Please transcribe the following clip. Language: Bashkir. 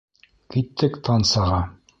Киттек тансаға.